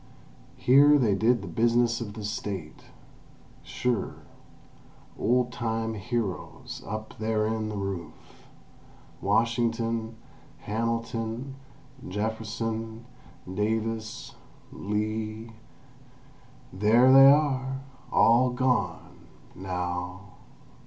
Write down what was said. Here they did the business of the State—sure; old time heroes up therein the roof—Washington, Hamilton, Jefferson, Davis, Lee —there they are! All gone—now!